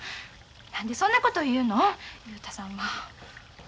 何でそんなこと言うの雄太さんは。